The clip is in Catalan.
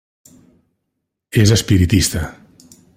És espiritista.